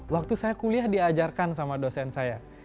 waktu saya kuliah diajarkan sama dosen saya